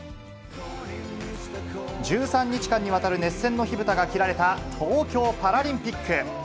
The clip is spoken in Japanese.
１３日間にわたる熱戦の火ぶたが切られた東京パラリンピック。